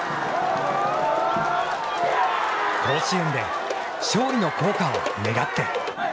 甲子園で勝利の校歌を願って。